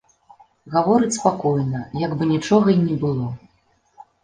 Гаворыць спакойна, як бы нічога й не было.